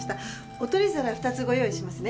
お取り皿２つご用意しますね。